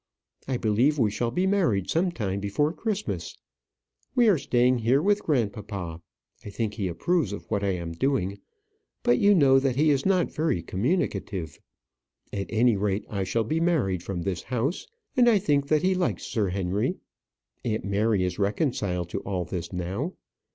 I believe we shall be married some time before Christmas. We are staying here with grandpapa. I think he approves of what I am doing; but you know that he is not very communicative. At any rate, I shall be married from this house, and I think that he likes Sir Henry. Aunt Mary is reconciled to all this now.